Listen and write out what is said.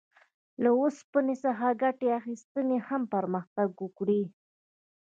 له اوسپنې څخه ګټې اخیستنې هم پرمختګ وکړ.